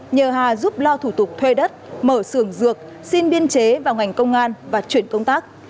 nhờ hà giúp lo thủ tục thuê đất mở sưởng dược xin biên chế vào ngành công an và chuyển công tác